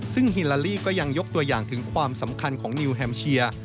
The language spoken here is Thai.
ซึ่งฮิลาลี่ก็ยังยกตัวอย่างถึงความสำคัญของนิวแฮมเชีย